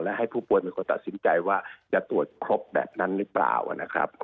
และให้ผู้ป่วยเป็นคนตัดสินใจว่าจะตรวจครบแบบนั้นหรือเปล่านะครับ